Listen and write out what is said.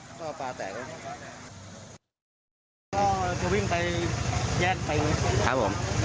ก็จะวิ่งไปแยกไปครับผม